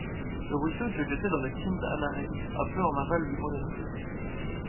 Le ruisseau se jetait dans le Sint-Annarei un peu en aval du Molenbrug.